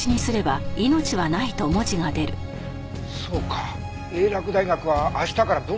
そうか英洛大学は明日から文化祭だ。